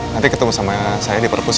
nanti ketemu sama saya di perpus